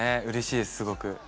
うれしいですすごく。